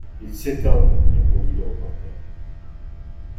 Il s’éteint, répondit le reporter.